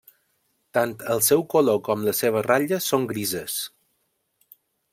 Tant el seu color com la seva ratlla són grises.